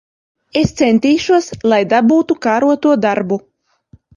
Es centīšos, lai dabūtu kāroto darbu.